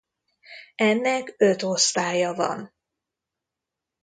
Ennek öt osztálya van.